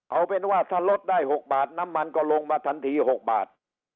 เอาเป็นว่าถ้าลดได้๖บาทน้ำมันก็ลงมาทันที๖บาท